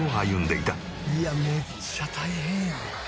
いやあめっちゃ大変やん。